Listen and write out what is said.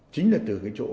chính là từ cái chỗ